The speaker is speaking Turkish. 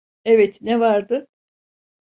Evet, ne vardı?